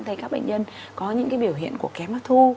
thấy các bệnh nhân có những cái biểu hiện của kém hấp thu